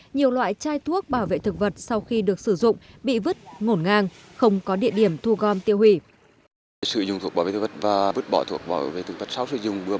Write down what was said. nhiều loại chai thuốc bảo vệ thực vật sau khi được sử dụng bị vứt ngổn ngang không có địa điểm thu gom tiêu hủy